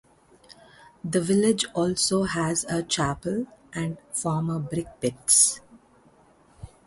The village also has a chapel, and former brickpits.